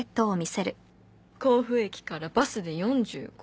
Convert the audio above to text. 甲府駅からバスで４５分。